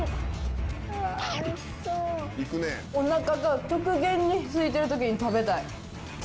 お腹が極限にすいてる時に食べたい。